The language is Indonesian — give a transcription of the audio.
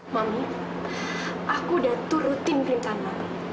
mami aku udah turutin klien tanaman